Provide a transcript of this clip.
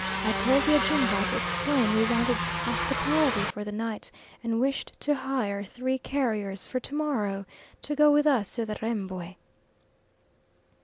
I told the Ajumba to explain we wanted hospitality for the night, and wished to hire three carriers for to morrow to go with us to the Rembwe.